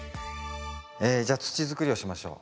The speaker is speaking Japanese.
じゃあ土づくりをしましょう。